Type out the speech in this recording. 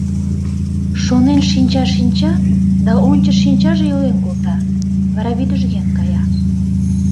Шонен шинча-шинча, да ончыч шинчаже йӱлен колта, вара вӱдыжген кая.